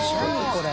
これ。